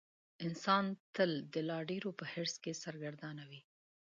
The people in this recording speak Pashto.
انسان تل د لا ډېرو په حرص کې سرګردانه وي.